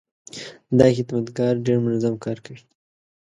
دا خدمتګر ډېر منظم کار کوي.